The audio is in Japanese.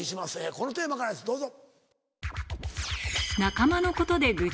このテーマからですどうぞ。